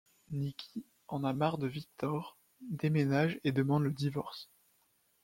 Nikki en a marre de Victor, déménage et demande le divorce.